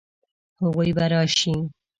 هغوی به راشي؟